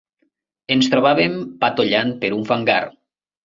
Ens trobàvem patollant per un fangar